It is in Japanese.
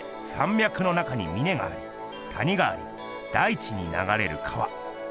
みゃくの中にみねがあり谷があり大地にながれる川。